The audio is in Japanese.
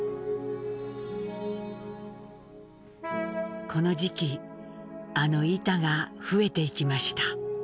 この時期あの「板」が増えていきました。